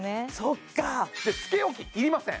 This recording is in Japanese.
そっかつけ置きいりません